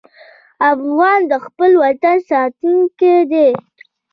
افغان د خپل وطن ساتونکی دی.